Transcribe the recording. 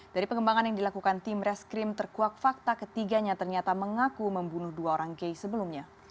dari pengembangan yang dilakukan tim reskrim terkuak fakta ketiganya ternyata mengaku membunuh dua orang gay sebelumnya